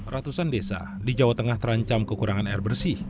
ratusan desa di jawa tengah terancam kekurangan air bersih